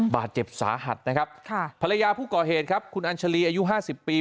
บาดเจ็บสาหัสนะครับภรรยาผู้ก่อเหตุครับคุณอัญชรีอายุ๕๐ปี